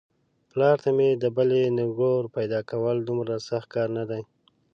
پلار ته مې د بلې نږور پيداکول دومره سخت کار نه دی.